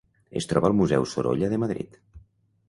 Es troba al Museu Sorolla de Madrid.